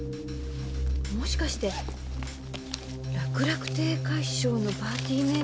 もしかして楽々亭快笑のパーティー名簿に？